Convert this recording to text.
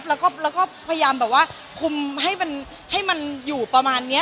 แล้วก็พยายามแบบว่าคุมให้มันอยู่ประมาณนี้